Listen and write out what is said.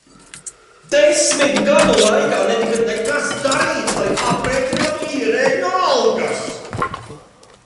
Desmit gadu laikā netika nekas darīts, lai aprēķinātu ierēdņu algas.